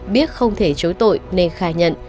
biết không thể chối tội nên khai nhận